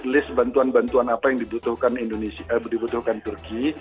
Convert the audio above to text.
list bantuan bantuan apa yang dibutuhkan turki